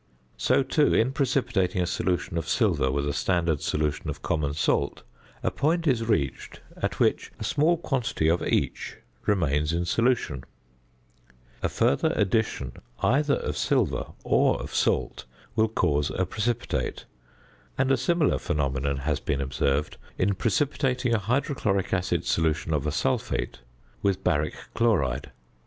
So, too, in precipitating a solution of silver with a standard solution of common salt, a point is reached at which a small quantity of each remains in solution; a further addition either of silver or of salt will cause a precipitate, and a similar phenomenon has been observed in precipitating a hydrochloric acid solution of a sulphate with baric chloride.